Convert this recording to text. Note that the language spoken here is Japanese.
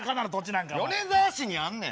米沢市にあんねん！